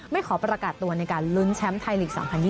ขอประกาศตัวในการลุ้นแชมป์ไทยลีก๒๐๒๐